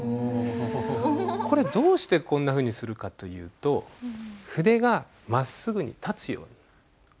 これどうしてこんなふうにするかというと筆がまっすぐに立つように。